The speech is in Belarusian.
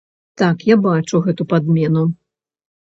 Так, я бачу гэту падмену.